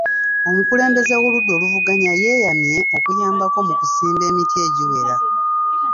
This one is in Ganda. Omukulembeze w'oludda oluvuganya yeeyamye okuyambako mu kusimba emiti egiwera.